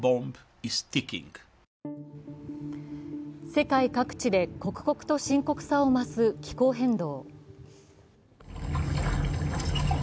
世界各地で刻々と深刻さを増す気候変動。